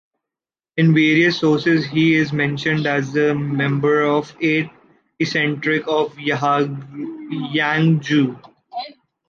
In various sources he is mentioned as a member of the Eight Eccentrics of Yangzhou.